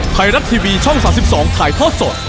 ไทยรัฐทีวีช่อง๓๒ถ่ายทอดสด